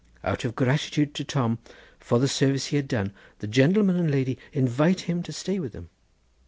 Out of gratitude to Tom for the service he has done, the gentleman and lady invite him to stay with them.